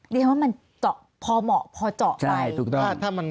เดี๋ยวว่ามันเจาะพอเหมาะพอเจาะไปใช่ถูกต้องถ้ามัน